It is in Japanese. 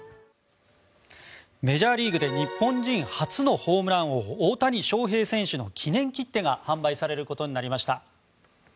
メジャーリーグで日本人初のホームラン王大谷翔平選手の記念切手が販売されることになりました。